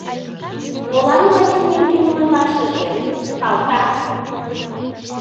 Молан Вачи нерген ойлашыже, калтак!